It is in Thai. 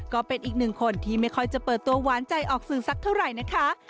ก็เป็นอีกหนึ่งคนที่ไม่ค่อยจะเปิดตัวหวานใจออกสื่อสักเท่าไหร่นะคะ